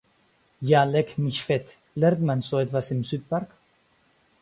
Ja leck mich fett, lernt man so etwas im Südpark?